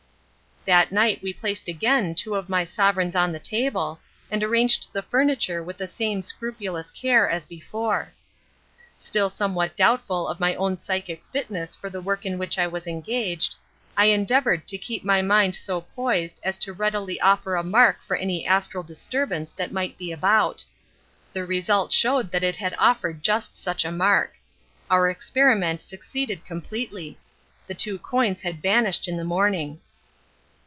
That night we placed again two of my sovereigns on the table, and arranged the furniture with the same scrupulous care as before. Still somewhat doubtful of my own psychic fitness for the work in which I was engaged, I endeavoured to keep my mind so poised as to readily offer a mark for any astral disturbance that might be about. The result showed that it had offered just such a mark. Our experiment succeeded completely. The two coins had vanished in the morning.